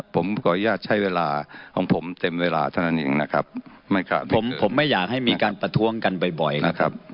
ผมขออนุญาตใช้เวลาของผมเต็มเวลาเท่านั้นเองนะครับไม่ครับผมผมไม่อยากให้มีการประท้วงกันบ่อยนะครับ